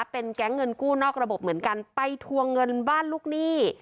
เป็นแก๊งเงินกู้นอกระบบเหมือนกันไปทวงเงินบ้านลูกหนี้